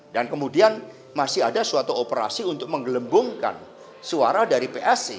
dan kemudian masih ada suatu operasi untuk menggelembungkan suara dari psi